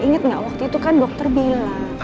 ingat nggak waktu itu kan dokter bilang